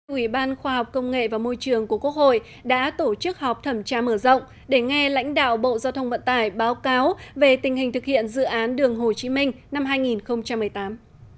ủy ban khoa học công nghệ và môi trường của quốc hội đã tổ chức họp thẩm tra mở rộng để nghe lãnh đạo bộ giao thông vận tải báo cáo về tình hình thực hiện dự án đường hồ chí minh năm hai nghìn một mươi tám